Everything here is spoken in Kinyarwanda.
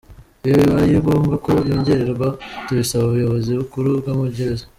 Iyo bibaye ngombwa ko yongerwa, tubisaba ubuyobozi bukuru bw’amagereza.